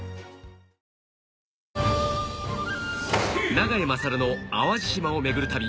永井大の淡路島を巡る旅